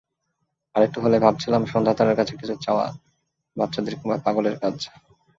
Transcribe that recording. আরেকটু হলেই ভাবছিলাম, সন্ধ্যা তারার কাছে কিছু চাওয়া বাচ্চাদের কিংবা পাগলের কাজ।